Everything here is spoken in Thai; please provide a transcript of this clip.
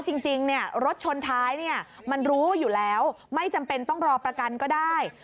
เพราะรถชนท้ายรู้อยู่แล้วไม่จำเป็นต้องรอประกันก็ได้